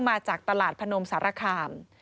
มาจากตลาดพนมสารคาม